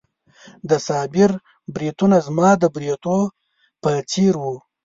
د صابر بریتونه زما د بریتونو په څېر وو.